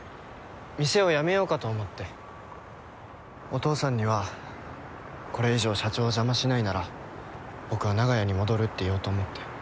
お父さんにはこれ以上社長を邪魔しないなら僕は長屋に戻るって言おうと思って。